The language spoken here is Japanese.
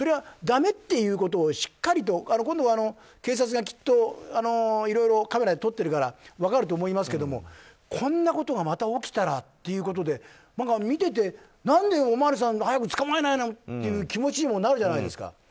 だめっていうことをしっかりと今度、警察がいろいろいろいろカメラで撮ってるから分かると思いますけどこんなことがまた起きたらっていうことで見てて、何でおまわりさん早く捕まえないのという気持ちになるじゃないですか。